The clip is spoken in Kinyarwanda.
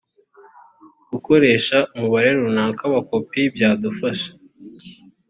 gukoresha umubare runaka wa kopi byadufasha